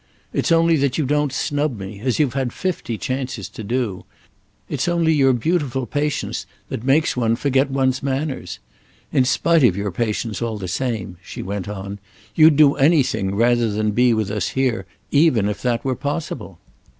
It's only that you don't snub me, as you've had fifty chances to do—it's only your beautiful patience that makes one forget one's manners. In spite of your patience, all the same," she went on, "you'd do anything rather than be with us here, even if that were possible.